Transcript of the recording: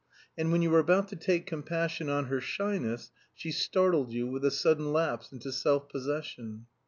And when you were about to take compassion on her shyness, she startled you with a sudden lapse into self possession.